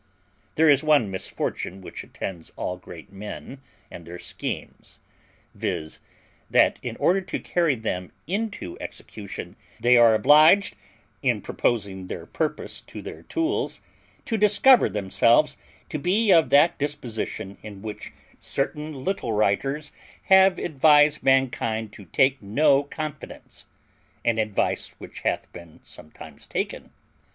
There is one misfortune which attends all great men and their schemes, viz. that, in order to carry them into execution, they are obliged, in proposing their purpose to their tools, to discover themselves to be of that disposition in which certain little writers have advised mankind to place no confidence; an advice which hath been sometimes taken.